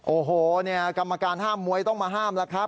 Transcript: โอ้โหเนี่ยกรรมการห้ามมวยต้องมาห้ามแล้วครับ